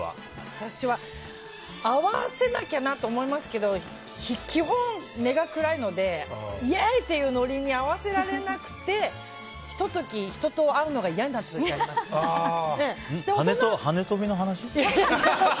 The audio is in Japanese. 私は合わせなきゃなと思いますけど基本、根が暗いのでイエーイ！というノリに合わせられなくてひと時、人と会うのが嫌になった時があります。